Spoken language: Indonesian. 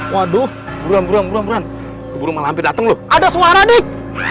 waduh buram buram keburu malam keburu dateng lo ada suara dik